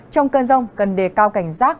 trong cơn rông cần đề cao cảnh giác